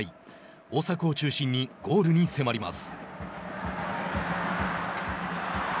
大迫を中心にゴールに迫ります。